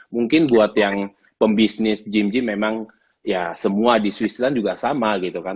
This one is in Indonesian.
mungkin buat yang pembisnis gym gym memang ya semua di swissland juga sama gitu kan